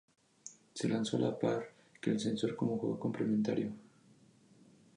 Se lanzó a la par que el sensor como juego complementario.